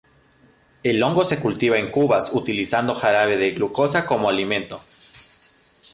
El hongo se cultiva en cubas utilizando jarabe de glucosa como alimento.